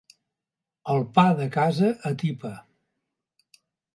El pa de casa atipa.